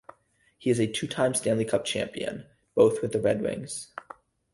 He is a two-time Stanley Cup champion, both with the Red Wings.